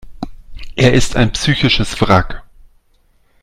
Er ist ein psychisches Wrack.